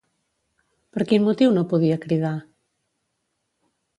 Per quin motiu no podia cridar?